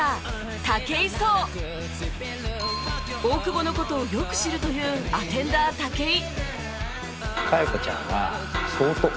大久保の事をよく知るというアテンダー武井